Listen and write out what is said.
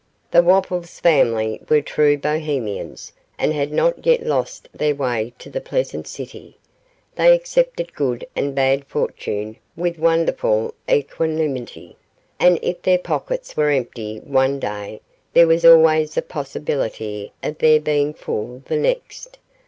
The Wopples family were true Bohemians, and had not yet lost their way to the pleasant city. They accepted good and bad fortune with wonderful equanimity, and if their pockets were empty one day, there was always a possibility of their being full the next.